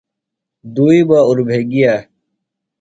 دُئی بہ اُربھےۡ گِیہ۔